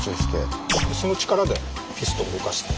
その力でピストンを動かして。